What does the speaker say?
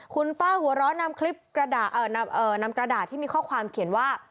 คุณป้าหัวร้อนนำคลิปนำกระดาษที่มีข้อความเขียนว่า